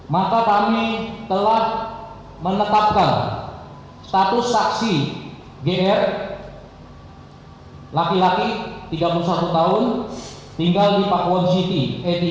maka kami telah menetapkan status saksi gr laki laki tiga puluh satu tahun tinggal di pakuwa jiti e tiga surabaya